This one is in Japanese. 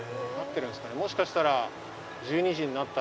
もしかしたら。